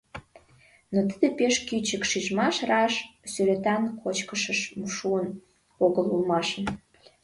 Но тиде пеш кӱчык шижмаш раш сӱретан кончышыш шуын огыл улмашын.